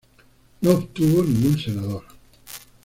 No obtuvo ningún senador.